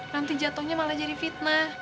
nanti jatuhnya malah jadi fitnah